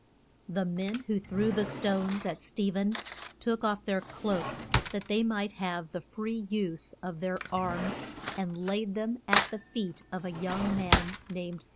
The men who threw the stones at Ste phen took off their cloaks, that they might have the free use of their arms, and laid them at the feet of a young man named Saul.